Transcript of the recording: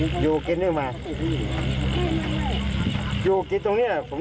ผมจะช่วยพี่ทุกอย่าง